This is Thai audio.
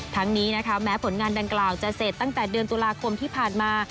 ทั้งนี้นะคะแม้ผลงานดังกล่าวจะเสร็จตั้งแต่เดือนตุลาคมที่ผ่านมา